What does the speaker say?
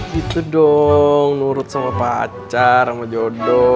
gitu dong nurut sama pacar sama jodoh